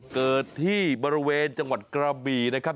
เกิดที่บริเวณจังหวัดกระบี่นะครับ